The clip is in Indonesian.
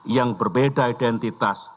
yang berbeda identitas